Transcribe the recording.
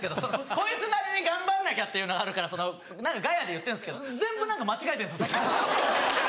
こいつなりに「頑張んなきゃ」っていうのがあるから何かガヤで言ってるんですけど全部何か間違えてるんですよ。